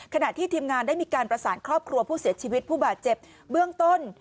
ขณะที่ทีมงานได้มีการประสานครอบครัวผู้เสียชีวิตผู้บาดเจ็บเบื้องต้น